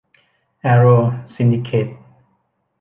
แอร์โรว์ ซินดิเคท